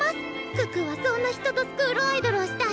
可可はそんな人とスクールアイドルをしたい！